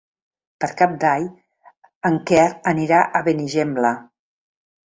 Per Cap d'Any en Quer anirà a Benigembla.